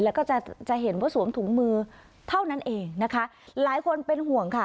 แล้วก็จะจะเห็นว่าสวมถุงมือเท่านั้นเองนะคะหลายคนเป็นห่วงค่ะ